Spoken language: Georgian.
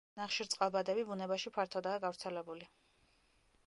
ნახშირწყალბადები ბუნებაში ფართოდაა გავრცელებული.